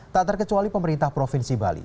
tak terkecuali pemerintah provinsi bali